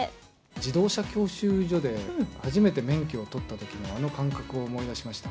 自動車教習所で初めて免許を取ったときのあの感覚を思い出しました。